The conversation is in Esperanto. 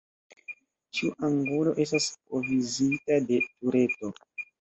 Ĉiu angulo estas provizita de tureto.